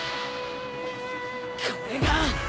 これが。